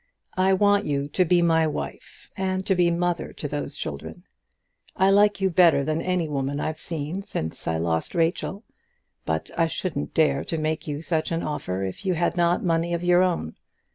I want you to be my wife, and to be mother to those children. I like you better than any woman I've seen since I lost Rachel, but I shouldn't dare to make you such an offer if you had not money of your own.